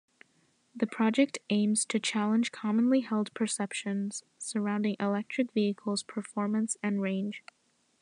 The project aims to challenge commonly held perceptions surrounding electric vehicles performance and range.